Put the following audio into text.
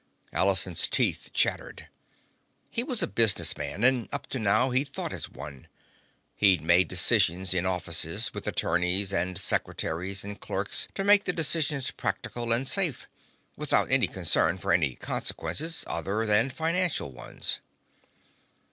Allison's teeth chattered. He was a business man and up to now he'd thought as one. He'd made decisions in offices, with attorneys and secretaries and clerks to make the decisions practical and safe, without any concern for any consequences other than financial ones.